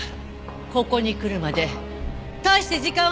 ここに来るまで大して時間はなかった。